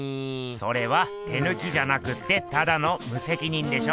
それは手ぬきじゃなくってただのむせきにんでしょ！